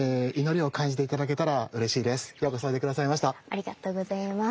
ありがとうございます。